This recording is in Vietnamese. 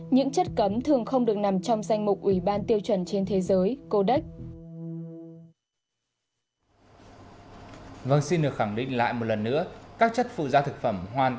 những ký hiệu này được quy định bởi ủy ban mã thực phẩm